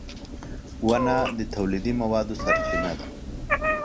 • ونه د تولیدي موادو سرچینه ده.